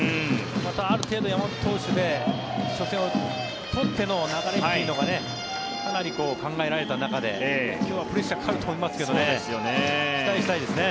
また、ある程度、山本投手で初戦を取っての流れというのがかなり考えられた中で今日はプレッシャーかかると思いますけどね期待したいですね。